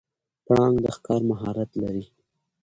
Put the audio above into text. پړانګ د ښکار مهارت لري.